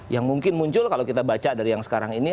yang mungkin muncul kalau kita baca dari yang sekarang ini